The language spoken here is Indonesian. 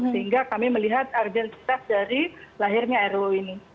sehingga kami melihat arjen tetap dari lahirnya ru ini